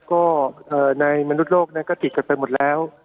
ก็ในมนุษย์โลกก็ติดกันไปหมดแล้ว